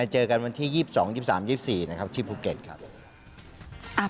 เจอกันวันที่๒๒๒๓๒๔นะครับที่ภูเก็ตครับ